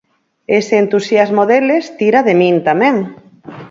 Ese entusiasmo deles tira de min tamén.